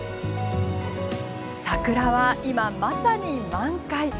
桜は今、まさに満開。